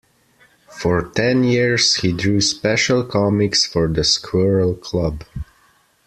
For ten years, he drew special comics for the Squirrel Club.